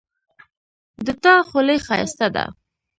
د تا خولی ښایسته ده